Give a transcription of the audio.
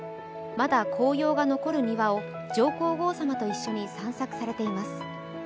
まだ紅葉が残る庭を上皇さまと一緒に散策されています。